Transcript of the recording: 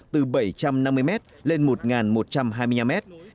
từ bảy trăm năm mươi mét lên một một trăm hai mươi năm mét